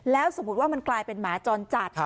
แล้วสมมุติว่ามันกลายเป็นหมาจรจัด